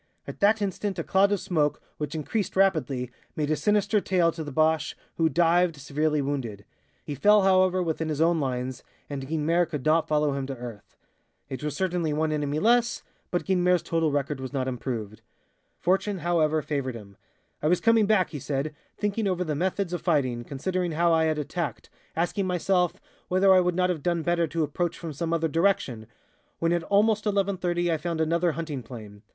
At that instant a cloud of smoke, which increased rapidly, made a sinister tail to the Boche, who dived, severely wounded. He fell, however, within his own lines, and Guynemer could not follow him to earth. It was certainly one enemy less, but Guynemer's total record was not improved. [A] A meter is a little more than a yard in length exactly stated, 39.37 inches. Fortune, however, favored him. "I was coming back," he said, "thinking over the methods of fighting, considering how I had attacked, asking myself whether I would not have done better to approach from some other direction, when at almost 11.30 I found another hunting plane.